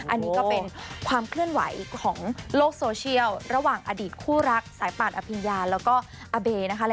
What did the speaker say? อันนี้ก็เป็นความเคลื่อนไหวของโลกโซเชียลระหว่างอดีตคู่รักสายป่านอภิญญาแล้วก็อาเบนะคะ